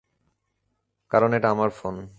কারণ এটা আমার ফোন।